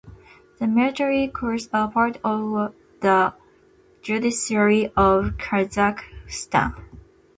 The military courts are part of the judiciary of Kazakhstan.